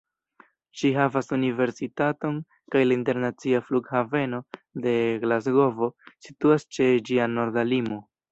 Ĝi havas universitaton, kaj la internacia flughaveno de Glasgovo situas ĉe ĝia norda limo.